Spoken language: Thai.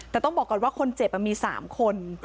แต่ต้องบอกก่อนว่าคนเจ็บมี๓คน